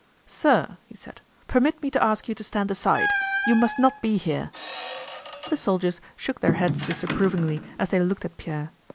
"Sir," he said, "permit me to ask you to stand aside. You must not be here." The soldiers shook their heads disapprovingly as they looked at Pierre.